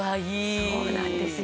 そうなんですよ。